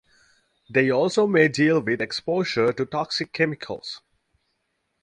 They also may deal with exposure to toxic chemicals.